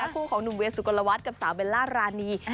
คู่ของหนุ่มเวียสุกลวัฒน์กับสาวเบลล่ารานี